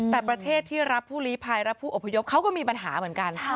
แต่ประเทศที่รับผู้ลีภัยรับผู้อพยพเขาก็มีปัญหาเหมือนกัน